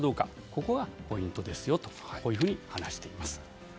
ここがポイントですよとこういうふうに話しています。